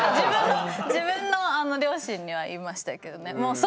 自分の両親には言いましたけどね。